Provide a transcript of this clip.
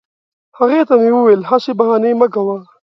هغې ته مې وویل هسي بهانې مه کوه